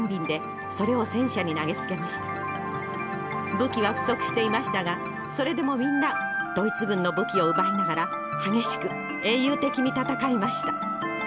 武器は不足していましたがそれでもみんなドイツ軍の武器を奪いながら激しく英雄的に戦いました」。